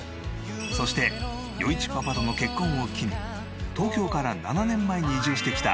そして余一パパとの結婚を機に東京から７年前に移住してきた。